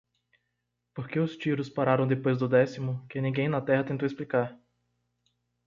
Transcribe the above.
Por que os tiros pararam depois do décimo? que ninguém na Terra tentou explicar.